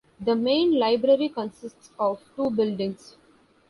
The Main Library consists of two buildings.